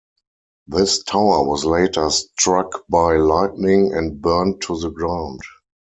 This tower was later struck by lightning and burned to the ground.